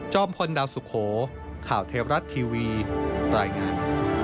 พลดาวสุโขข่าวเทวรัฐทีวีรายงาน